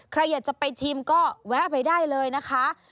ใครอยากจะไปชิมก็แวะไปได้เลยนะคะ